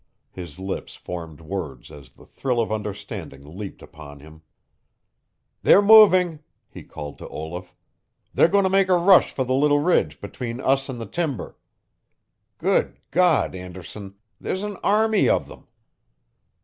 His lips formed words as the thrill of understanding leapt upon him. "They're moving!" he called to Olaf. "They're going to make a rush for the little ridge between us and the timber. Good God, Anderson, there's an army of them!"